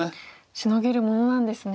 シノげるものなんですね。